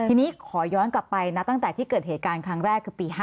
ทีนี้ขอย้อนกลับไปนะตั้งแต่ที่เกิดเหตุการณ์ครั้งแรกคือปี๕๗